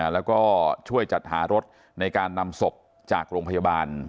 แล้วก็ช่วยจัดหารถในการนำศพจากโรงพยาบาล